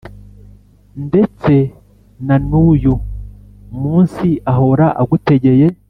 ndetse na nuyu munsi ahora agutegeye